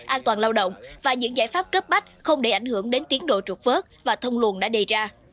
an toàn lao động và những giải pháp cấp bách không để ảnh hưởng đến tiến độ trục vớt và thông luồn đã đề ra